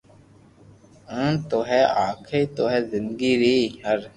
انت تو ھي آخري تو ھي زندگي ري ھر